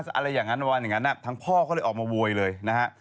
ทั้งพ่อก็เลยออกมาโวยเลยนะฮะ